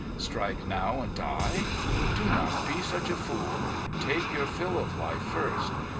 Strike now and die? Do not be such a fool. Take your fill of life first.